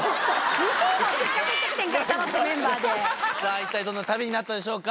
一体どんな旅になったんでしょうか？